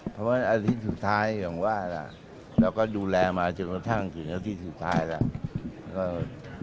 เพราะว่าอาทิตย์สุดท้ายอย่างว่าล่ะเราก็ดูแลมาจนกระทั่งถึงอาทิตย์สุดท้ายแล้ว